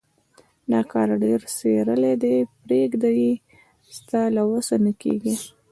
دا کار ډېر څيرلی دی. پرېږده يې؛ ستا له وسه نه کېږي.